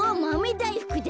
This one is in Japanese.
だいふくだ。